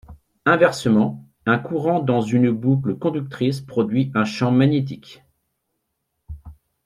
Inversement, un courant dans une boucle conductrice produit un champ magnétique.